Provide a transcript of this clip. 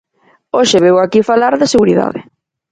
Hoxe veu aquí falar de seguridade.